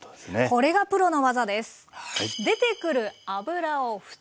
これがプロの技です！